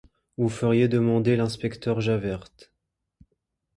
Vous feriez demander l'inspecteur Javert.